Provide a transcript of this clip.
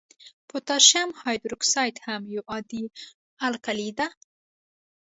پوتاشیم هایدروکساید هم یو عادي القلي ده.